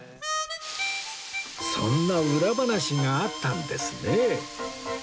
そんな裏話があったんですね